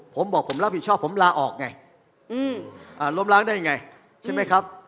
ผมบอกผมรับผิดชอบผมลาออกไงล้มล้างได้ยังไงใช่ไหมครับ